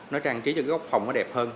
nó trang trí cho cái góc phòng nó đẹp hơn